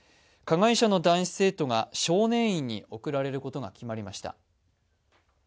加害者の男子生徒が少年院に送られることが決まりました。